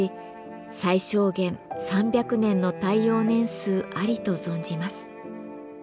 最小限３００年の耐用年数ありと存じます。